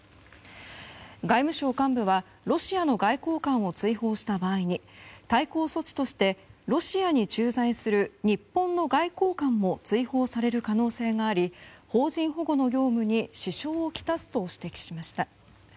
外務省幹部はロシアの外交官を追放した場合に対抗措置としてロシアに駐在する日本の外交官も追放される可能性があり邦人保護の業務に支障をきたすと指摘しました。